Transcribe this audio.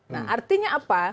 nah artinya apa